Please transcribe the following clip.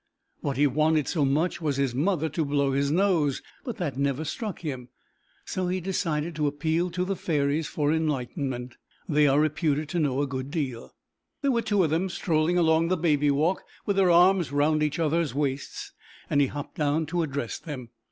What he wanted so much was his mother to blow his nose, but that never struck him, so he decided to appeal to the fairies for enlightenment. They are reputed to know a good deal. There were two of them strolling along the Baby Walk, with their arms round each other's waists, and he hopped down to address them.